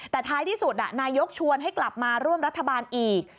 แต่ท้ายที่สุดนายกชวนให้กลับมาร่วมรัฐบาลอีก